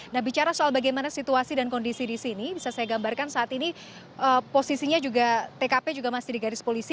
nah bicara soal bagaimana situasi dan kondisi di sini bisa saya gambarkan saat ini posisinya juga tkp juga masih di garis polisi